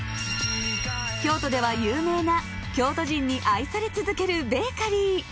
京都では有名な京都人に愛され続けるベーカリー。